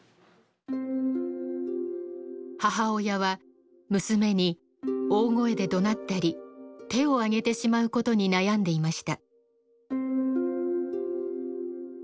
母親は娘に大声でどなったり手を上げてしまうことに悩んでいました。